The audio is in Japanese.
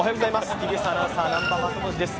ＴＢＳアナウンサー・南波雅俊です。